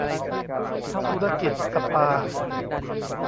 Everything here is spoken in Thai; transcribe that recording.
ธุรกิจสปา